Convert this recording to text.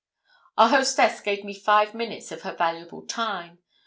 Our hostess gave me five minutes of her valuable time.